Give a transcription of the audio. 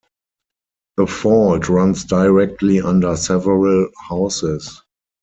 The fault runs directly under several houses.